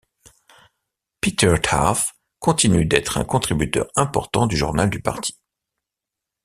Peter Taaffe continue d'être un contributeur important du journal du parti.